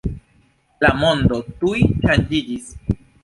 La mondo tuj ŝanĝiĝis.